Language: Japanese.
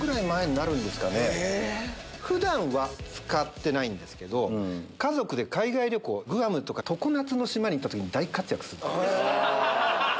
普段は使ってないんですけど家族で海外旅行グアムとか常夏の島に行った時に大活躍するんです。